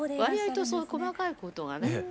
割合とそういう細かいことがね